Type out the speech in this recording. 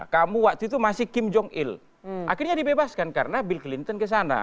kamu waktu itu masih kim jong il akhirnya dibebaskan karena bill clinton ke sana